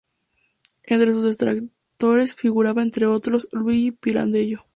Entre sus detractores figuraba, entre otros, Luigi Pirandello.